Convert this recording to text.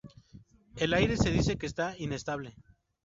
El aire se dice que está inestable.